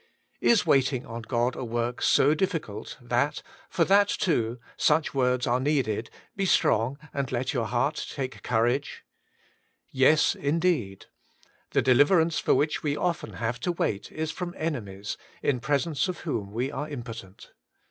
Is waiting on God a work so difficult, that, for that too, such words are needed, *Be strong, and let your heart take courage '% Yes, indeed. The deliverance for which we often have to wait is from enemies, in presence of whom we are impotent.